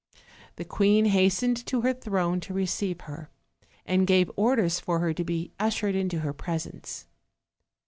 The queen hastened to her throne to re ceive her, and gave orders for her to be ushered into her presence.